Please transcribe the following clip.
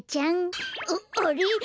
あっあれ？